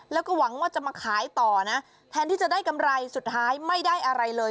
แล้วก็หวังว่าจะมาขายต่อนะแทนที่จะได้กำไรสุดท้ายไม่ได้อะไรเลย